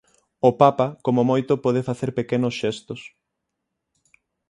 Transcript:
O Papa como moito pode facer pequenos xestos.